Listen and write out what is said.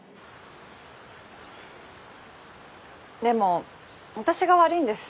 でも私が悪いんです。